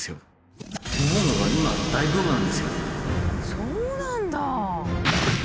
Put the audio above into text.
そうなんだ！